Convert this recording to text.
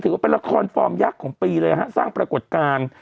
ว่าเป็นละครฟอร์มยักษ์ของปีเลยฮะสร้างปรากฏการณ์